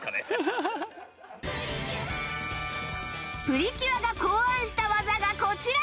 プリキュアが考案した技がこちら！